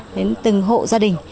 đến từng hộ gia đình